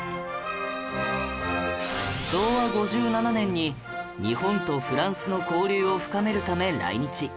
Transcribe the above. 昭和５７年に日本とフランスの交流を深めるため来日